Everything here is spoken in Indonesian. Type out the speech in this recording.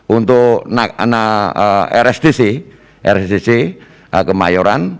untuk rsdc kemayoran